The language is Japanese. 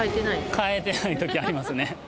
替えてない時ありますね。